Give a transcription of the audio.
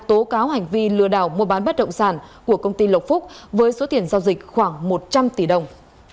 tố cáo hành vi lừa đảo mua bán bất động sản của công ty lộc phúc với số tiền giao dịch khoảng một trăm linh tỷ đồng